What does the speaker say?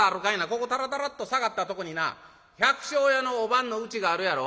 ここたらたらっと下がったとこにな百姓家のおばんのうちがあるやろ？